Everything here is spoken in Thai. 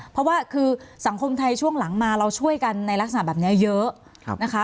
เพราะว่าคือสังคมไทยช่วงหลังมาเราช่วยกันในลักษณะแบบนี้เยอะนะคะ